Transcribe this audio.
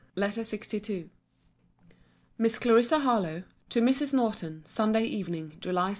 LETTER LXII MISS CLARISSA HARLOWE, TO MRS. NORTON SUNDAY EVENING, JULY 2.